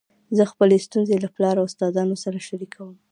زه خپلي ستونزي له پلار او استادانو سره شریکوم.